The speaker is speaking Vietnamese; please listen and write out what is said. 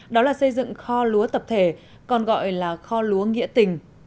đó là xây dựng kho lúa tập thể còn gọi là kho lúa nghĩa tình